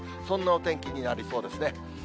そんなお天気になりそうですね。